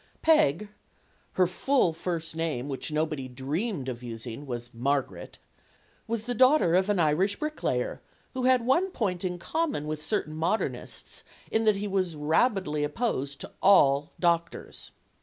Peg her full first name, which nobody dreamed of using, was Margaret was the daughter of an Irish bricklayer who had one point in common with certain modernists in that he was rabidly opposed to all doctors.